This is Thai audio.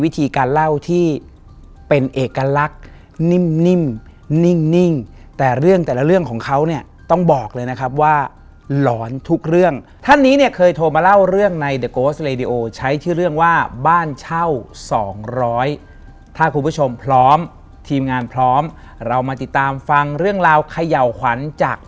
แต่พ่อบอมเองก็ไม่เคยเจอเหมือนกัน